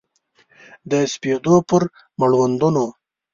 د سپېدو پر مړوندونو